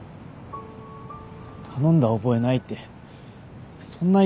頼んだ覚えないってそんな言い方。